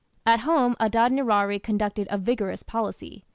At home Adad nirari conducted a vigorous policy.